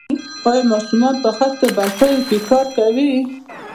آیا ماشومان په خښتو بټیو کې کار کوي؟